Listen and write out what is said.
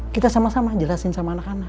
kita sama sama jelasin sama anak anak